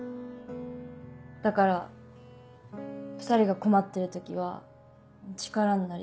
だから２人が困ってる時は力になりたい。